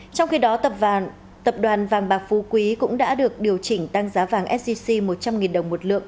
trong khi đó tập đoàn vàng bạc phú quý cũng đã được điều chỉnh tăng giá vàng sgc một trăm linh đồng một lượng